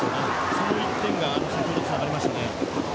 その１点が先ほどつながりましたね。